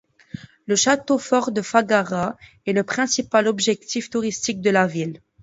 Le château fort de Făgăraș est le principal objectif touristique de la ville.